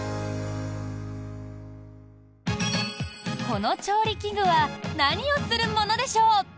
この調理器具は何をするものでしょう。